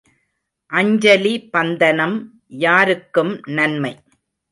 அஞ்சலி பந்தனம் யாருக்கும் நன்மை.